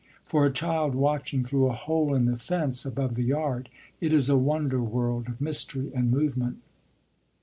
For a child watching through a hole in the fence above the yard, it is a wonder world of mystery and movement.